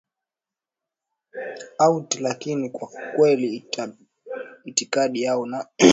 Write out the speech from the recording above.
auti lakini kwa kweli itikadi yao na